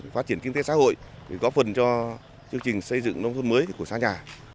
phát triển kinh tế xã hội có phần cho chương trình xây dựng nông thôn mới của xã nhà